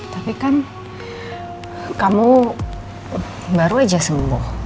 tapi kan kamu baru aja sembuh